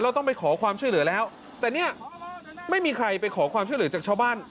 ต้องไปขอความช่วยเหลือแล้วแต่เนี่ยไม่มีใครไปขอความช่วยเหลือจากชาวบ้าน